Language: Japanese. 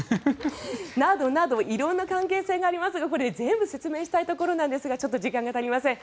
などなど、色々な関係性がありますがこれ、全部説明したいところなんですが時間が足りません。